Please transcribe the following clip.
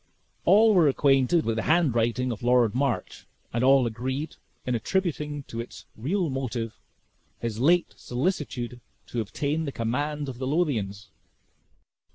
All were acquainted with the handwriting of Lord March, and all agreed in attributing to its real motive his late solicitude to obtain the command of the Lothians.